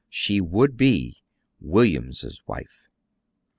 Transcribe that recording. She would be William's wife.